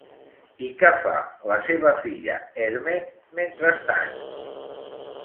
I què fa la seva filla Airmed mentrestant?